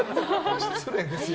失礼ですよ。